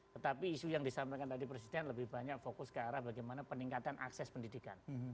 tetapi isu yang disampaikan tadi presiden lebih banyak fokus ke arah bagaimana peningkatan akses pendidikan